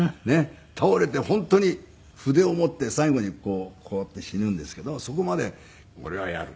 倒れて本当に筆を持って最期にこうやって死ぬんですけどそこまで「俺はやる。